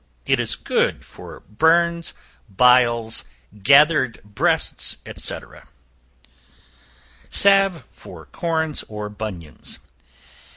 It is good for burns, biles, gathered breasts, &c. Salve for Corns, or Bunions.